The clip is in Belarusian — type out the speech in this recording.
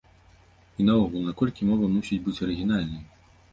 І наогул, наколькі мова мусіць быць арыгінальнай?